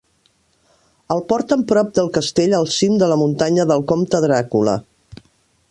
El porten prop del castell al cim de la muntanya del Comte Dràcula.